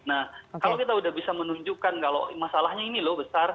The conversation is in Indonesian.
nah kalau kita sudah bisa menunjukkan kalau masalahnya ini loh besar